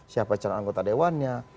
siapa calon anggota dewannya